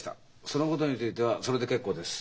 そのことについてはそれで結構です。